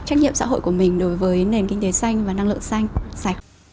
trách nhiệm xã hội của mình đối với nền kinh tế xanh và năng lượng xanh sạch